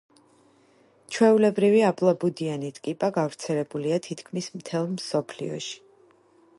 ჩვეულებრივი აბლაბუდიანი ტკიპა გავრცელებულია თითქმის მთელ მსოფლიოში.